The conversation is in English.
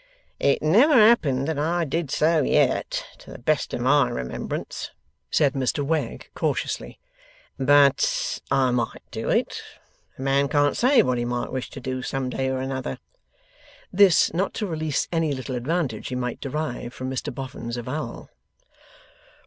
'It never happened that I did so yet, to the best of my remembrance,' said Mr Wegg, cautiously. 'But I might do it. A man can't say what he might wish to do some day or another.' (This, not to release any little advantage he might derive from Mr Boffin's avowal.)